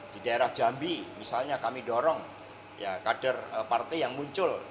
di daerah jambi misalnya kami dorong kader partai yang muncul